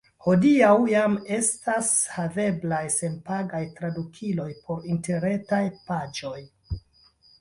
Hodiaŭ jam estas haveblaj senpagaj tradukiloj por interretaj paĝoj.